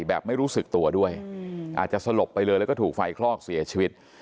แบบไม่รู้สึกตัวด้วยอาจจะสลบไปเลยแล้วก็ถูกไฟคลอกเสียชีวิต